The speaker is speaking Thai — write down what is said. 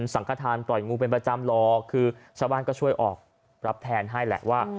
สังขทานปล่อยงูเป็นประจำหรอกคือชาวบ้านก็ช่วยออกรับแทนให้แหละว่า